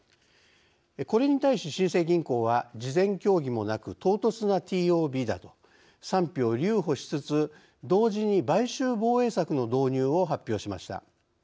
これに対し新生銀行は事前協議もなく唐突なＴＯＢだと賛否を留保しつつ同時に買収防衛策の導入を発表しました。